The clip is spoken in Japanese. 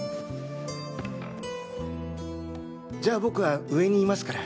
じゃあ僕は上にいますから。